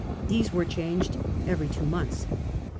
These were changed every two months.